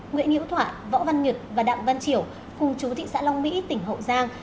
nguyễn hiễu thoại võ văn nghiệt và đạm văn triểu cùng chú thị xã long mỹ tp hậu giang